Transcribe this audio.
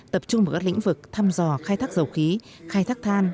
tập trung vào các lĩnh vực thăm dò khai thác dầu khí khai thác than